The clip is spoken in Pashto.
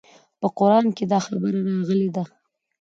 په قران کښې دا خبره راغلې ده.